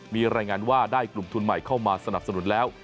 มีรายงานว่าได้กลุ่มทุนใหม่เข้ามาสนับสนุนแล้ว